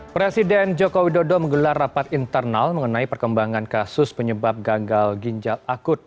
presiden joko widodo menggelar rapat internal mengenai perkembangan kasus penyebab gagal ginjal akut